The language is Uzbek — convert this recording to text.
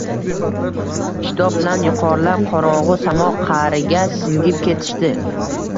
shitob bilan yuqorilab, qorong‘u samo qa’riga singib ketishdi.